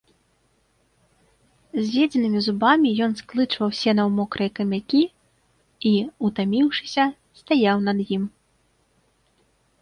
З'едзенымі зубамі ён склычваў сена ў мокрыя камякі і, утаміўшыся, стаяў над ім.